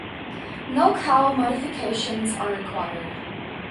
No cowl modifications are required.